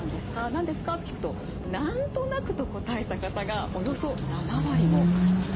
何ですか？と聞くと「なんとなく」と答えた方がおよそ７割もいたんです。